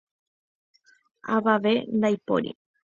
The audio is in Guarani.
Avave ndaipóri.